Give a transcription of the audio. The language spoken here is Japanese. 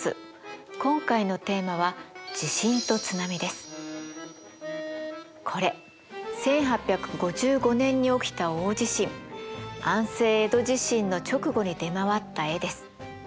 今回のテーマはこれ１８５５年に起きた大地震安政江戸地震の直後に出回った絵です。